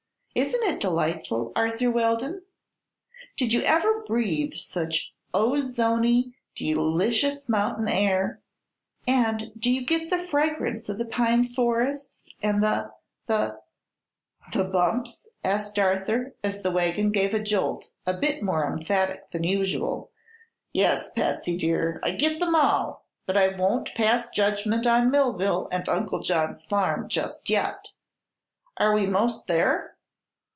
Isn't it delightful, Arthur Weldon? Did you ever breathe such ozony, delicious mountain air? And do you get the fragrance of the pine forests, and the the " "The bumps?" asked Arthur, as the wagon gave a jolt a bit more emphatic than usual; "yes, Patsy dear, I get them all; but I won't pass judgment on Millville and Uncle John's farm just yet. Are we 'most there?"